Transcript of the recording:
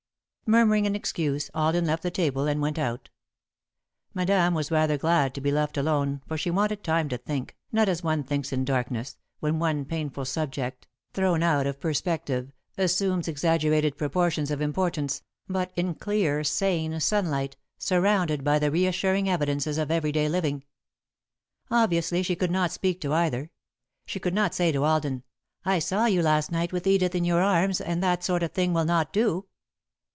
Murmuring an excuse, Alden left the table and went out. Madame was rather glad to be left alone, for she wanted time to think, not as one thinks in darkness, when one painful subject, thrown out of perspective, assumes exaggerated proportions of importance, but in clear, sane sunlight, surrounded by the reassuring evidences of every day living. [Sidenote: Madame's View of the Case] Obviously she could not speak to either. She could not say to Alden: "I saw you last night with Edith in your arms and that sort of thing will not do."